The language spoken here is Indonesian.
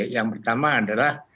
yang pertama adalah